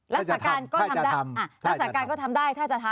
รักษาการก็ทำได้ถ้าจะทำ